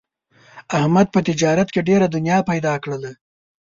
احمد په تجارت کې ډېره دنیا پیدا کړله.